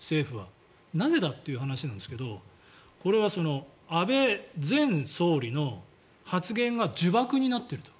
なぜだという話なんですがこれは安倍前総理の発言が呪縛になっていると。